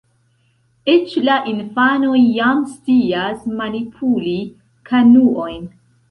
Eĉ la infanoj jam scias manipuli kanuojn.